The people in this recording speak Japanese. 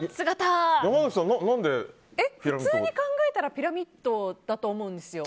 普通に考えたらピラミッドだと思うんですよ。